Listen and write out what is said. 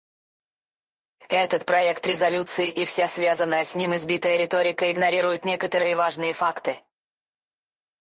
Этот проект резолюции и вся связанная с ним избитая риторика игнорируют некоторые важные факты.